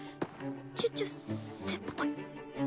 チュチュ先輩。